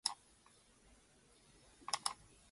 His first appearance was at the age of sixteen.